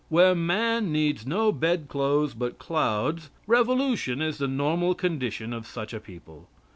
Where man needs no bedclothes but clouds, revolution is the normal condition of such a people.